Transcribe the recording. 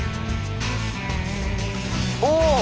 おお！